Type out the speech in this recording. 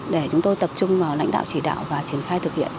để chúng tôi tập trung vào lãnh đạo chỉ đạo và triển khai thực hiện